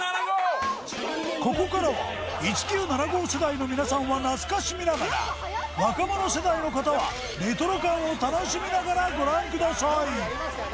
ここからは１９７５世代の皆さんは懐かしみながら若者世代の方はレトロ感を楽しみながらご覧ください